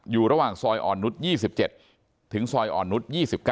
อยู่ระหว่างซอยออนนุด๒๗ถึงซอยออนนุด๒๙